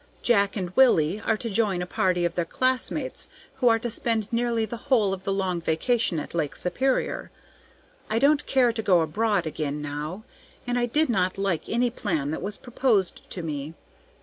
Jack and Willy are to join a party of their classmates who are to spend nearly the whole of the long vacation at Lake Superior. I don't care to go abroad again now, and I did not like any plan that was proposed to me.